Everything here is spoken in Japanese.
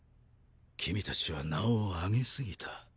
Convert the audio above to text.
君達は名を上げ過ぎた。